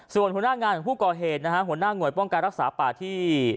ส่วนหัวหน้างานของผู้ก่อเหตุนะฮะหัวหน้าหน่วยป้องการรักษาป่าที่